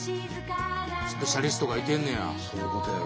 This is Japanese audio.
スペシャリストがいてんねや。